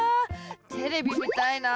テレビ見たいな。